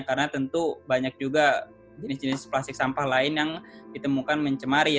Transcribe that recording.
karena tentu banyak juga jenis jenis plastik sampah lain yang ditemukan mencemari ya